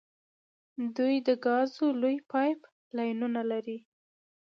دوی د ګازو لویې پایپ لاینونه لري.